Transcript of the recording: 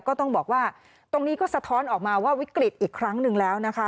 ก็ต้องบอกว่าตรงนี้ก็สะท้อนออกมาว่าวิกฤตอีกครั้งหนึ่งแล้วนะคะ